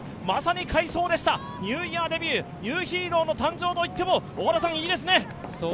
まさに快走でした、ニューイヤーデビュー、ニューヒーローの誕生と言ってもいいですね。